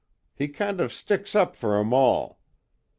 He kind of sticks up fer 'em all.